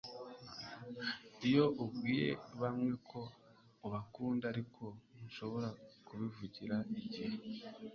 Iyo ubwiye bamwe ko ubakunda ariko ntushobora kubivugira igihe